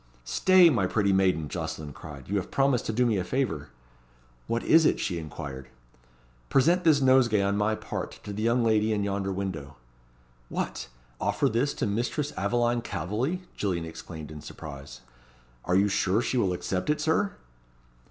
"Stay, my pretty maiden," Jocelyn cried; "you have promised to do me a favour." "What is it?" she inquired. "Present this nosegay on my part to the young lady in yonder window." "What! offer this to Mistress Aveline Calveley?" Gillian exclaimed in surprise. "Are you sure she will accept it, Sir?"